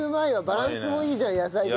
バランスもいいじゃん野菜と肉。